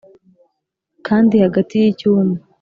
Kandi hagati y icyumba